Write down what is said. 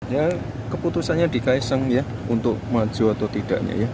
ya keputusannya di kaesang ya untuk maju atau tidaknya ya